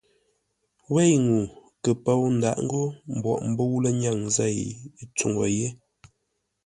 Wêi ŋuu kə pou ndǎʼ ńgó mboʼ mbə̂u lənyaŋ zêi tsúŋu yé.